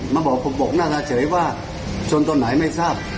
มาบอกหน้าตาเฉยว่าชนตอนไหนไม่ทราบ